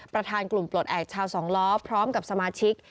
ประธานกลุ่มปลดแอบชาวสองล้อพร้อมกับสมาชิก